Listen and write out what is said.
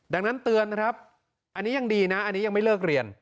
ดังนั้นเตือนนะครับอันนี้ยังดีนะอันนี้ยังไม่เลิกเรียน